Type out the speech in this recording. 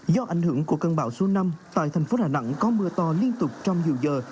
do ảnh hưởng của cơn bão số năm tại thành phố đà nẵng có mưa to liên tục trong nhiều giờ